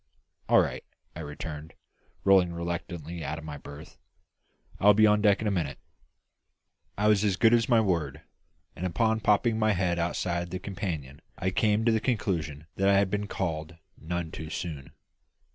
"All right," I returned, rolling reluctantly out of my berth; "I will be on deck in a minute." I was as good as my word; and upon popping my head outside the companion I came to the conclusion that I had been called none too soon.